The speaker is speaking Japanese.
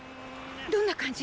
どんな感じ？